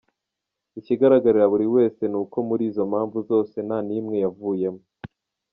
Ikigaragarira buri wese, ni uko muri izo mpamvu zose nta n’imwe yavuyemo.